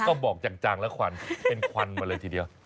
ก็บอกจางแล้วควันเป็นควันมาเลยทีเดียว